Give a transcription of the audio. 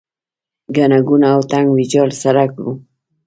ګڼه ګوڼه او تنګ ویجاړ سړک و.